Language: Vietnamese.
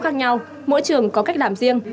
khác nhau mỗi trường có cách làm riêng